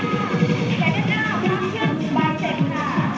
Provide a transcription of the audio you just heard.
แขนกันหน้าพร้อมขึ้นไปเสร็จค่ะ